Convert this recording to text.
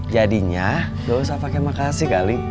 jadinya lo usah pake makasih kali